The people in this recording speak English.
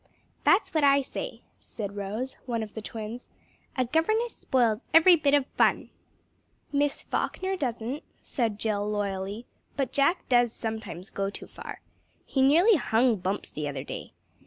"That's what I say," said Rose, one of the twins, "a governess spoils every bit of fun!" "Miss Falkner doesn't," said Jill loyally, "but Jack does sometimes go too far. He nearly hung Bumps the other day.